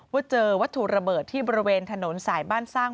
ว่าเจอวัตถุระเบิดที่บริเวณถนนสายบ้านสร้าง